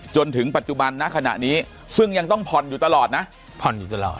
จนถึงปัจจุบันนะขณะนี้ซึ่งยังต้องผ่อนอยู่ตลอดนะผ่อนอยู่ตลอด